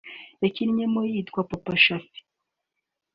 yakinnyemo yitwa Papa Shaffi